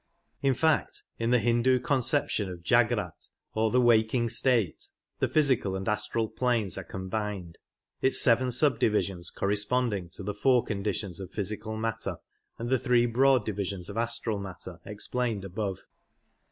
In fact, in the Hindu conception of Jagrat, or " the waking state," the physical and astral planes are combined, its seven subdivisions correspond ing to the four conditions of physical matter, and the three broad divisions of astral matter explained above.